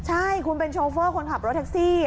ใช่คุณเป็นโชเฟอร์คนขับรถแท็กซี่